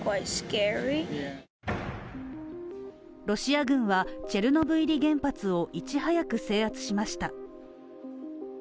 ロシア軍はチェルノブイリ原発をいち早く制圧しました。